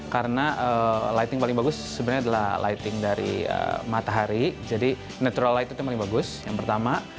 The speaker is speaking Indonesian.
karena lighting paling bagus sebenarnya adalah lighting dari matahari jadi natural light itu yang paling bagus yang pertama